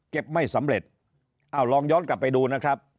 ไม่สำเร็จอ้าวลองย้อนกลับไปดูนะครับ